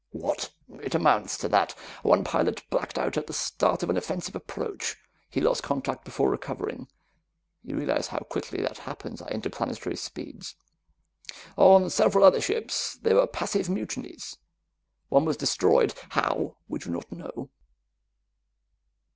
_" "What?" "It amounts to that. One pilot blacked out at the start of an offensive approach. He lost contact before recovering you realize how quickly that happens at interplanetary speeds. On several other ships, there were passive mutinies. One was destroyed; how, we do not know."